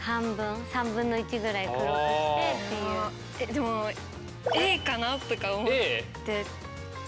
でもＡかなとか思ってて。